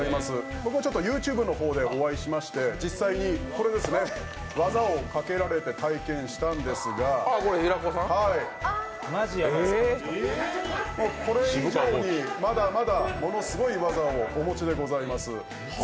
僕もちょっとＹｏｕＴｕｂｅの方でお会いしまして、実際に技をかけられて体験したんですが、これ以上にまだまだものすごい技をお持ちでございます。